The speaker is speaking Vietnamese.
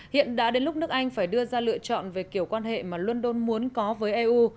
hiện đã đến lúc nước anh phải đưa ra lựa chọn về kiểu quan hệ mà london muốn có với eu